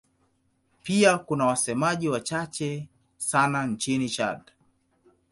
Pia kuna wasemaji wachache sana nchini Chad.